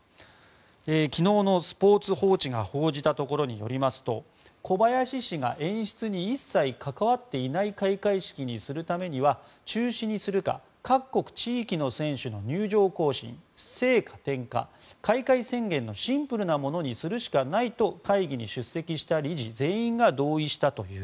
昨日のスポーツ報知が報じたところによりますと小林氏が演出に一切関わっていない開会式にするためには中止にするか各国・地域の選手の入場行進聖火点火、開会宣言のシンプルなものにするしかないと会議に出席した理事全員が同意したという。